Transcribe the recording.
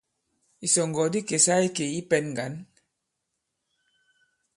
Ìsɔ̀ŋgɔ̀ di kèsa ikè i pɛ̄n ŋgǎn.